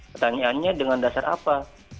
pertanyaannya dengan dasar apa